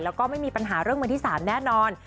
แล้วก็ไม่มีปัญหาเรื่องบริษัทแน่นอน